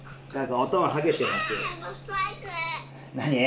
何？